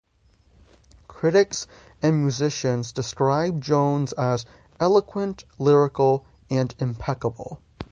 Critics and musicians described Jones as eloquent, lyrical, and impeccable.